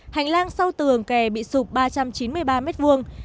hành lang sau tường kè bị sụp ba trăm chín mươi ba mét vuông